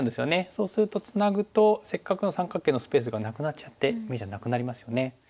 そうするとツナぐとせっかくの三角形のスペースがなくなっちゃって眼じゃなくなりますよね。